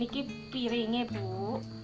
ini piringnya bu